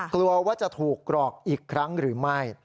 กลัวว่าจะถูกกรอกอีกครั้งหรือไม่